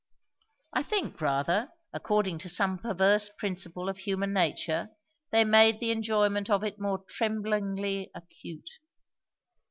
I think, rather, according to some perverse principle of human nature, they made the enjoyment of it more tremblingly acute.